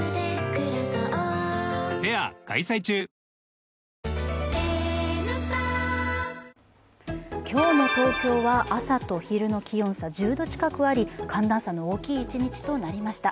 「のりしお」もね今日の東京は朝と昼の気温差１０度近くあり、寒暖差の大きい一日となりました。